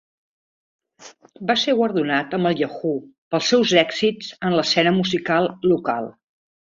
Va ser guardonat amb el Yahoo! pels seus èxits en l'escena musical local.